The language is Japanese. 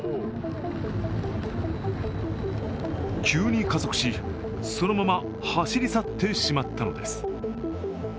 急に加速しそのまま走り去ってしまったのです。